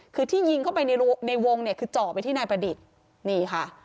คือที่ยิงเข้าไปในวงเนี่ยคือเจาะไปที่นายประดิษฐ์นี่ค่ะ